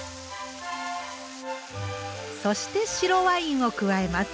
そして白ワインを加えます。